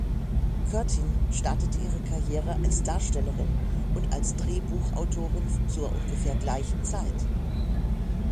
Curtin startete ihre Karriere als Darstellerin und als Drehbuchautorin zur ungefähr gleichen Zeit.